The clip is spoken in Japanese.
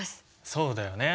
そうだよね。